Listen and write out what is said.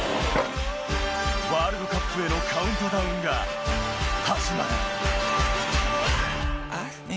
ワールドカップへのカウントダウンが始まる。